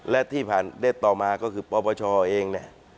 และที่ผ่านเด็ดต่อมาก็คือปพชเอง